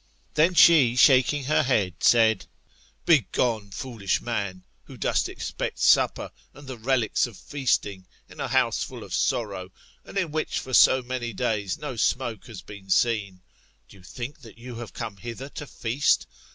Then she, shaking her head, said, Begon^ foolish man, who dost expect. supper, and the relics of feasting, in a house full of sorrow, and in which for so many days no smoke has been seen. Do you think that you have come hither to feast